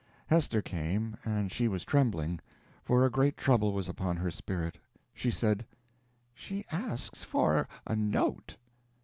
Hester came, and she was trembling, for a great trouble was upon her spirit. She said: "She asks for a note."